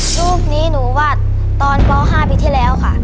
รูปนี้หนูวัดตอนป๕ปีที่แล้วค่ะ